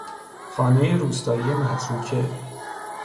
خانه روستایی متروکه